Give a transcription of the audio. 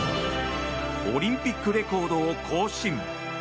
オリンピックレコードを更新。